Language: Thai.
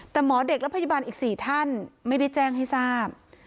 แต่หมอเด็กและพยาบาลอีก๔ท่านไม่ได้แจ้งให้ทราบ